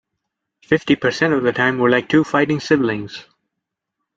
Fifty percent of the time we're like two fighting siblings.